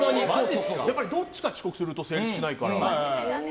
どっちかが遅刻すると成立しないから。